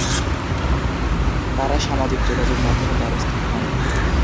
কারা সামাজিক যোগাযোগ মাধ্যমের দ্বারস্থ হন?